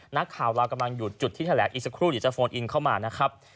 นักข่าวเรากำลังอยู่จุดที่แถลงอีกสักครู่เดี๋ยวจะโฟนอินเข้ามานะครับ